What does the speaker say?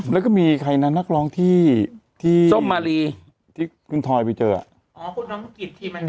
แล้วก็มีใครนะนักร้องที่ที่ที่ที่ถอยไปเจอก่ะอ๋อคุณน้องติด